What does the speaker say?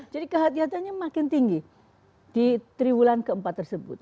jadi kehatiannya makin tinggi di tiga bulan ke empat tersebut